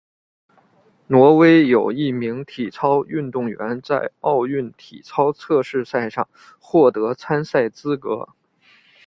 挪威有一名体操运动员在奥运体操测试赛上获得参赛资格。